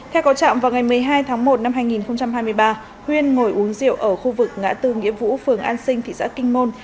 theo có trạm vào ngày một mươi hai tháng một năm hai nghìn hai mươi ba huyên ngồi uống rượu ở khu vực ngã tư nghĩa vũ phường an sinh thị xã kinh môn